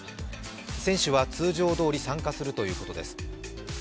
選手は通常どおり参加するということです。